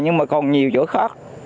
nhưng mà còn nhiều chỗ khác